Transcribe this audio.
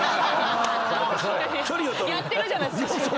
やってるじゃないっすか。